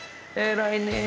偉いね。